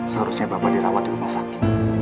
seharusnya bapak dirawat di rumah sakit